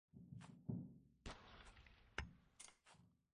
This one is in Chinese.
葛福临在北卡罗来纳州阿什维尔市外的阿巴拉契亚山脉长大。